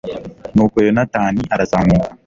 nuko yonatani arazamuka